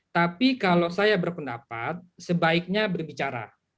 tapi kalau saya berpendapat sebaiknya berbicara